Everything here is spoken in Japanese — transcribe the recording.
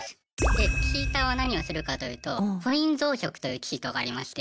でチーターは何をするかというとコイン増殖というチートがありまして。